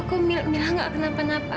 aku milah milah gak kenapa napa